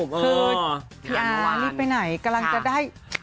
พีอาร์ดรีบไปไหนกำลังจะได้